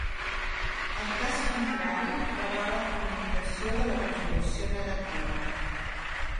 En cas contrari rebrà la comunicació de la Resolució negativa.